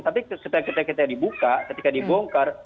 tapi ketika kita dibuka ketika dibongkar